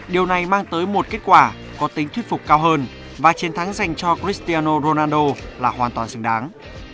điều này mang tới một kết quả có tính thuyết phục cao hơn và chiến thắng dành cho christiano ronaldo là hoàn toàn xứng đáng